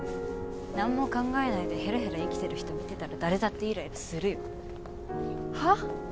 何も考えないでヘラヘラ生きてる人見てたら誰だってイライラするよはあ？